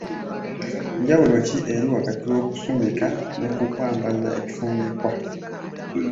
Njawulo ki eri wakati w’okusumika n’okukwambaza ekifundikwa?